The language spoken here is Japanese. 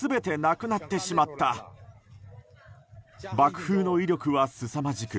爆風の威力はすさまじく